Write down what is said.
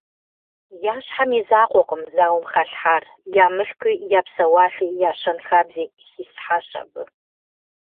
Я щхьэм и закъуэкъым зауэм халъхьар, я мылъкуи, я псэуалъи, я щэнхабзи хисхьащ абы.